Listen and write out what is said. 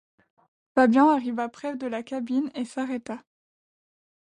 Fabian arriva près de la cabine et s’arrêta.